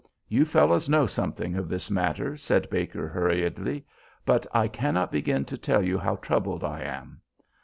"You fellows know something of this matter," said Baker, hurriedly; "but I cannot begin to tell you how troubled I am.